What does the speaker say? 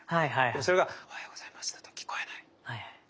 それが「おはようございます」だと聞こえないの。